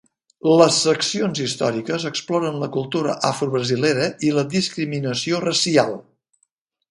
Les seccions històriques exploren la cultura afrobrasilera i la discriminació racial.